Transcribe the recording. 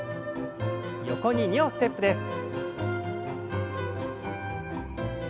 横に２歩ステップです。